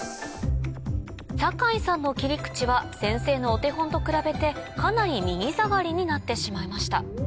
酒井さんの切り口は先生のお手本と比べてかなり右下がりになってしまいました